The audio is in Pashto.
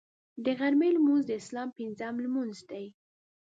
د غرمې لمونځ د اسلام پنځم لمونځ دی